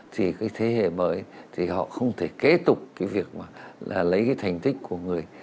thì cái thế hệ mới thì họ không thể kế tục cái việc mà lấy cái thành tích của người